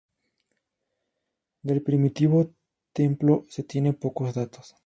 Del primitivo templo se tienen pocos datos.